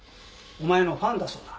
お前のファンだそうだ。